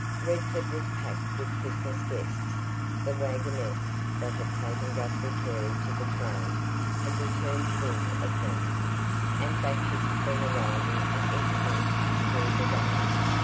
Redford was packed with Christmas guests. The waggonette that had taken Guthrie Carey to the train had returned full of them, and batches had been arriving at intervals through the day.